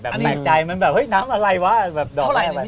แบบแม่ใจมันแบบเฮ้ยน้ำอะไรวะแบบดอกไม่ออกมา